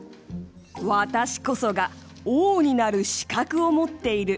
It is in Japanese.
私こそが、王になる資格を持っている。